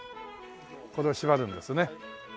これをしばるんですね。